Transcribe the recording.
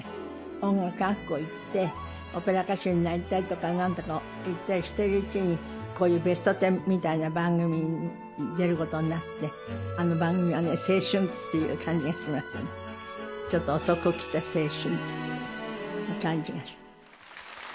音楽学校行って、オペラ歌手になりたいとかなんとか言ったりしているうちに、こういうベストテンみたいな番組に出ることになって、あの番組はね、青春っていう感じがしましたね、ちょっと遅く来た青春って感じがしました。